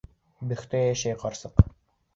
Бөхтә йәшәй ҡарсыҡ.